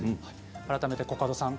改めてコカドさん